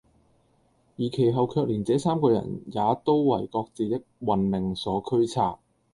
而其後卻連這三個人也都爲各自的運命所驅策，